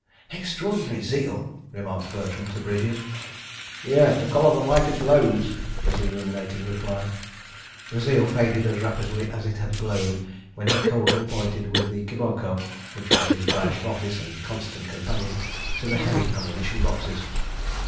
"Extraordinary zeal!" remarked Bertram to Bridges. "Yes—to collar the lightest loads," was the illuminating reply. The zeal faded as rapidly as it had glowed when he coldly pointed with the kiboko, which was his badge of office and constant companion, to the heavy ammunition boxes.